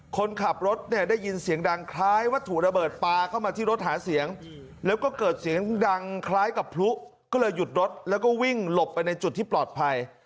คนขับรถเนี่ยได้ยินเสียงดังคล้ายวัตถุระเบิดปลาเข้ามาที่รถหาเสียงแล้วก็เกิดเสียงดังคล้ายกับพลุก็เลยหยุดรถแล้วก็วิ่งหลบไปในจุดที่ปลอดภัย